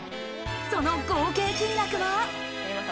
その合計金額は。